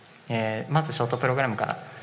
まずショートプログラムから。